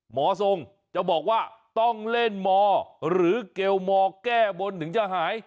หมอทรงจะบอกว่าต้องเล่นมอหรือเกลมอร์แก้บนถึงจะหาย